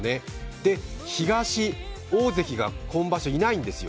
で、東、大関が今場所、いないんですよ。